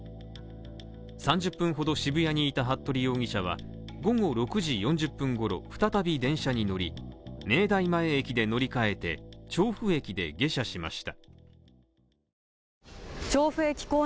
３０分ほど渋谷にいた服部容疑者は午後６時４０分ごろ、再び電車に乗り、明大前駅で乗り換えて調布駅で下車しました。